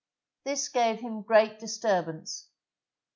This gave him great disturbance.